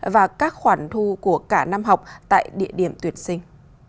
và các khoản thu của cả năm học tại địa điểm tuyển sinh